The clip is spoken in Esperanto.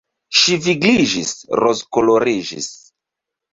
Ŝi vigliĝis, rozkoloriĝis.